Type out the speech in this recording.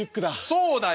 そうだよ。